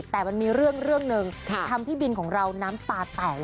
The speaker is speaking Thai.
แต่มันมีเรื่องหนึ่งทำพี่บินของเราน้ำตาแตก